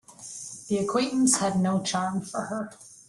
The acquaintance had no charm for her.